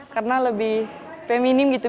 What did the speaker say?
karena lebih feminim gitu